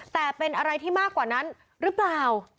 แต่เป็นอะไรที่มากกว่านั้นหรือเปล่า